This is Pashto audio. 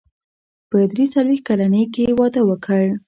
په درې څلوېښت کلنۍ کې يې واده وکړ.